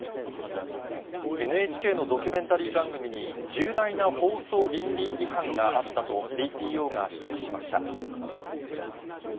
ＮＨＫのドキュメンタリー番組に、重大な放送倫理違反があったとＢＰＯが指摘しました。